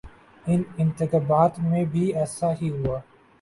ان انتخابات میں بھی ایسا ہی ہوا۔